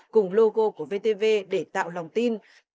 cùng logo của vtv để tạo lòng tin